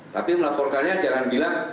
tapi melaporkannya jangan bilang